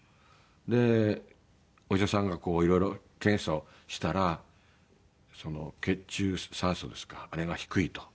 でお医者さんがいろいろ検査をしたら血中酸素ですかあれが低いと。